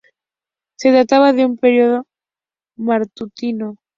Se trataba de un periódico matutino.